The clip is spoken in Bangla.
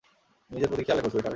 নিজের প্রতি খেয়াল রেখো, সুইটহার্ট।